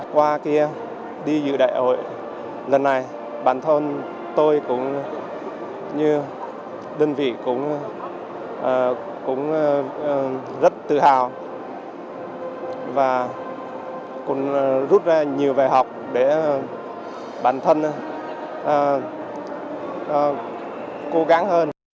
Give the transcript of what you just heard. qua kia đi dự đại hội lần này bản thân tôi cũng như đơn vị cũng rất tự hào và cũng rút ra nhiều về học để bản thân cố gắng hơn